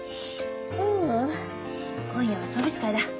あ今夜は送別会だ。